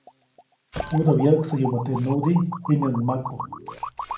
Judä wyäʼksäyumäʼ teʼ nyudiʼ, jiŋäʼuŋ maku.